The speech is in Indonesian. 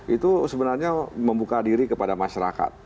itu sebenarnya membuka diri kepada masyarakat